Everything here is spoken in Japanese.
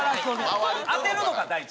当てるのが目的。